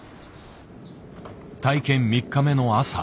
体験３日目の朝。